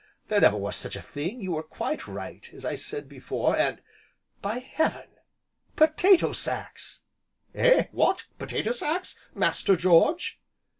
there never was such a thing, you were quite right, as I said before, and by heaven, potato sacks!" "Eh, what? potato sacks, Master George?"